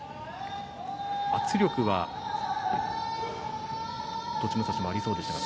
圧力は栃武蔵もありそうですが。